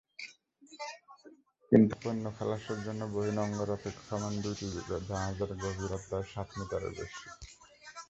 কিন্তু পণ্য খালাসের জন্য বহির্নোঙরে অপেক্ষমাণ দুটি জাহাজেরই গভীরতা সাত মিটারের বেশি।